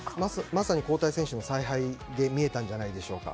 まさに交代選手の采配で見えたんじゃないでしょうか。